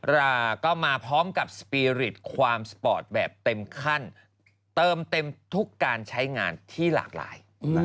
ราก็มาพร้อมกับสปีริตความสปอร์ตแบบเต็มขั้นเติมเต็มทุกการใช้งานที่หลากหลาย